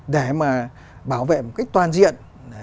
để mà bảo vệ một cách toàn diện